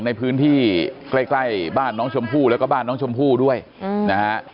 ในพื้นที่ใกล้บ้านน้องชมพู่แล้วก็บ้านน้องชมพู่ด้วยนะฮะ